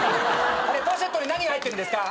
あれポシェットに何が入ってるんですか？